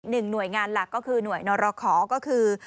หน่วยงานหลักก็คือหน่วยนรขอก็คือ